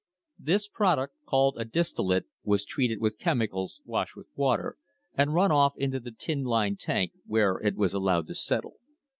This product, called a distillate, was treated with chemicals, washed with water, and run off into the tin lined tank, where it was allowed to settle.